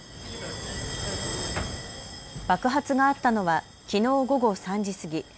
爆発があったのはきのう午後３時過ぎ。